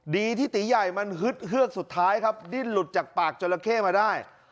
ดีที่ตีใหญ่มันฮึดเฮือกสุดท้ายครับดิ้นหลุดจากปากจราเข้มาได้